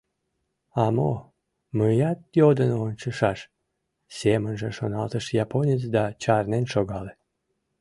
«А мо, мыят йодын ончышаш?» — семынже шоналтыш японец да чарнен шогале.